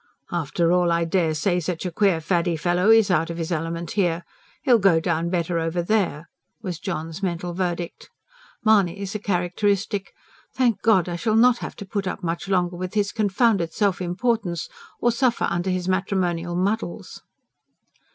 "After all I dare say such a queer faddy fellow IS out of his element here. He'll go down better over there," was John's mental verdict. Mahony's, a characteristic: "Thank God, I shall not have to put up much longer with his confounded self importance, or suffer under his matrimonial muddles!"